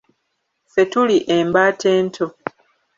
Ffe tuli embaata ento